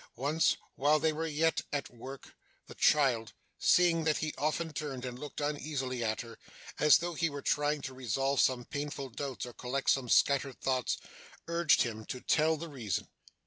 Once, while they were yet at work, the child, seeing that he often turned and looked uneasily at her, as though he were trying to resolve some painful doubts or collect some scattered thoughts, urged him to tell the reason.